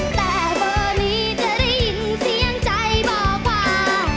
แต่เบอร์นี้จะได้ยินเสียงใจบอกว่า